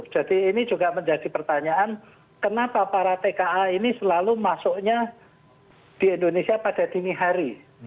jadi ini juga menjadi pertanyaan kenapa para tka ini selalu masuknya di indonesia pada dini hari